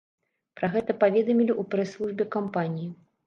Пра гэта паведамілі ў прэс-службе кампаніі.